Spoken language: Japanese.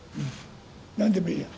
何でもいいや。